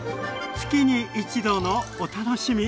月に一度のお楽しみ！